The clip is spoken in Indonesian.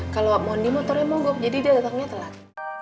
kalau mondi motornya mogok jadi dia datangnya telat